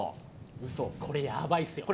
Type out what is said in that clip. うそ、これやばいですよ。